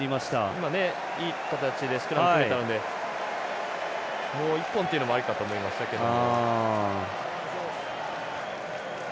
いい形でスクラム組めたのでもう一本っていうのもあるかと思いましたけど。